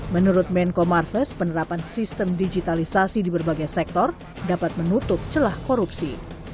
menurut menko marves penerapan sistem digitalisasi di berbagai sektor dapat menutup celah korupsi